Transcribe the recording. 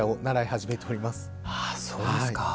そうですか。